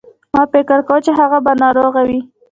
ما فکر کاوه چې هغه به ناروغ وي.